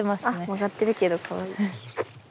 曲がってるけどかわいい。